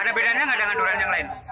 ada bedanya nggak dengan durian yang lain